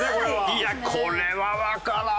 いやこれはわからん。